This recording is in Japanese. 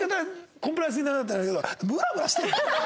コンプライアンス的にダメだったらあれだけどムラムラしてるの？